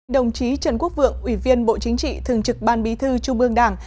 đồng chí trần quốc vượng ủy viên bộ chính trị thường trực ban bí thư trung ương đảng